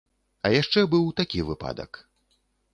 А яшчэ быў такі выпадак.